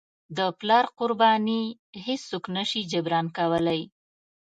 د پلار قرباني هیڅوک نه شي جبران کولی.